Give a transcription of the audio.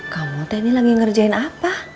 kamu teh ini lagi ngerjain apa